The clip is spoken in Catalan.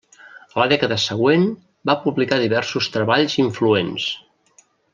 A la dècada següent, va publicar diversos treballs influents.